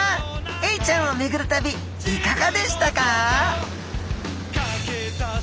エイちゃんをめぐる旅いかがでしたか？